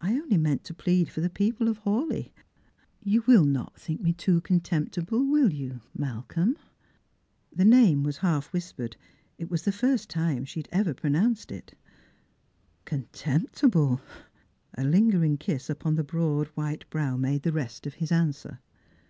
I only meant to plead for the people of Hawleigh. Tou wiU not think me too contempti ble, will you, Malcolm ?" The name was half whispered. It was the first time she had ever pronounced it. " Contemptible 1 " A lingering kiss upon the broad white brow made the rest of his answer.